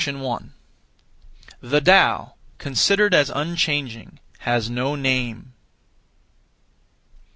The Tao, considered as unchanging, has no name.